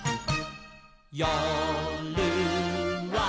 「よるは」